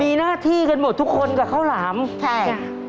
มีหน้าที่กันหมดทุกคนกับข้าวหลามใช่ค่ะ